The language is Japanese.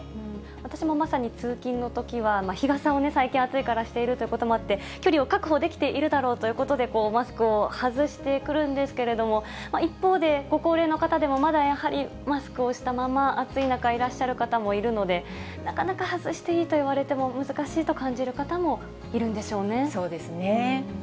私もまさに通勤のときは、日傘を、最近、暑いから、しているということもあって、距離を確保できているだろうということで、マスクを外してくるんですけれども、一方で、ご高齢の方でもまだやはりマスクをしたまま、暑い中、いらっしゃる方もいるので、なかなか外していいと言われても、難しいと感じる方もいるんでしょそうですね。